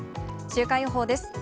週間予報です。